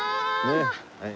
はい。